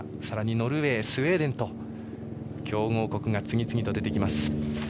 さらにノルウェー、スウェーデン強豪国が次々と出てきます。